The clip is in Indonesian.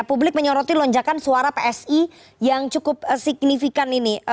publik menyoroti lonjakan suara psi yang cukup signifikan ini